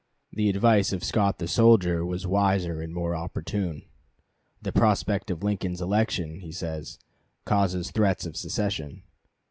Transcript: The advice of Scott the soldier was wiser and more opportune. The prospect of Lincoln's election, he says, causes threats of secession.